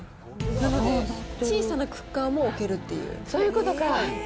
なので小さなクッカーも置けるっそういうことか。